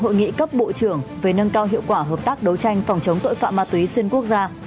hội nghị cấp bộ trưởng về nâng cao hiệu quả hợp tác đấu tranh phòng chống tội phạm ma túy xuyên quốc gia